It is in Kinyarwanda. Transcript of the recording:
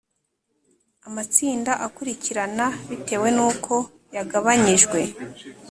amatsinda akurikirana bitewe n uko yagabanyijwe